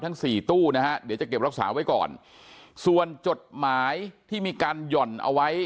ทั้งสี่ตู้นะฮะเดี๋ยวจะเก็บรักษาไว้ก่อนส่วนจดหมายที่มีการหย่อนเอาไว้